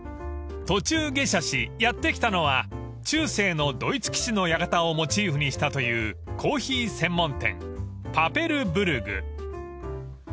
［途中下車しやって来たのは中世のドイツ騎士の館をモチーフにしたというコーヒー専門店パペルブルグ］